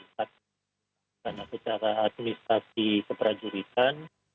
karena secara administrasi keperajuritan